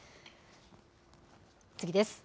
次です。